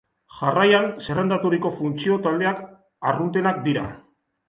Jarraian zerrendaturiko funtzio taldeak arruntenak dira.